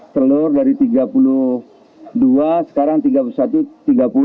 telur dari tiga puluh dua sekarang tiga puluh satu tiga puluh